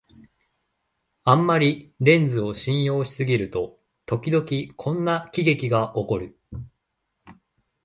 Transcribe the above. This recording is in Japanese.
あんまりレンズを信用しすぎると、ときどきこんな喜劇がおこる